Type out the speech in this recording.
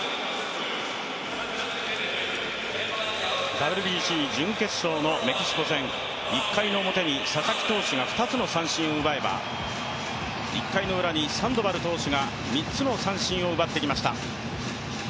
ＷＢＣ準決勝のメキシコ戦１回表に佐々木投手が２つの三振を奪えば、１回のウラにサンドバル投手が３つの三振を奪ってきました。